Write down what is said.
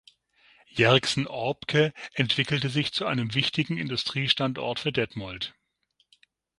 Jerxen-Orbke entwickelte sich zu einem wichtigen Industriestandort für Detmold.